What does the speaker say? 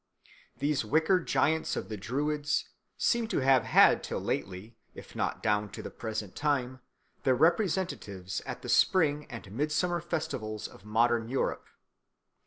These wicker giants of the Druids seem to have had till lately, if not down to the present time, their representatives at the spring and midsummer festivals of modern Europe.